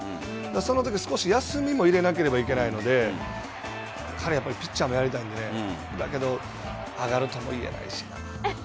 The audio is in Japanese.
そのとき、少し休みも入れなければいけないので彼はピッチャーもやりたいのでだけど上がるとも言えないしな。